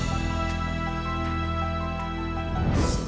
โอ้โฮโอ้โฮโอ้โฮ